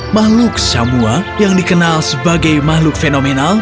makhluk samua yang dikenal sebagai makhluk fenomenal